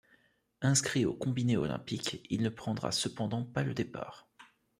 Inscrit au combiné olympique, il ne prendra cependant pas le départ.